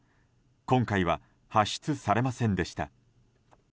今回は発出されませんでした。